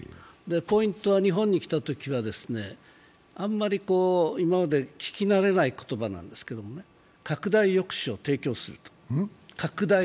ポイントは日本に来たときはあんまり、今まで聞き慣れない言葉なんですけどね、拡大抑止を提供すると。